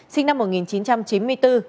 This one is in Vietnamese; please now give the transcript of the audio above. sinh năm một nghìn chín trăm chín mươi bốn